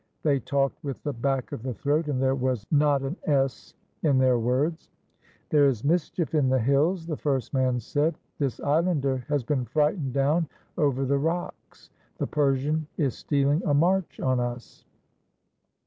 They talked with the back of the throat, and there was not an "s" in their words. "There is mischief in the hills," the first man said. "This islander has been frightened down over the rocks. The Persian is stealing a march on us."